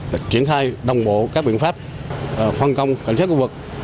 đã triển khai đồng bộ các biện pháp phân công cảnh sát khu vực